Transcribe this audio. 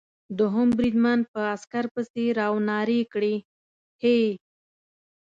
دوهم بریدمن په عسکر پسې را و نارې کړې: هې!